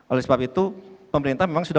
oleh sebab itu pemerintah memang sudah